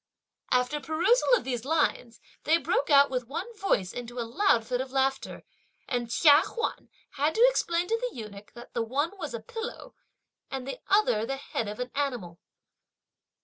After perusal of these lines, they broke out, with one voice, into a loud fit of laughter; and Chia Huan had to explain to the eunuch that the one was a pillow, and the other the head of an animal.